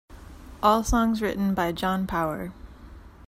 All songs written by John Power.